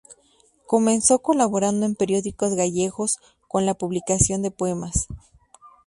Comenzó colaborando en periódicos gallegos con la publicación de poemas.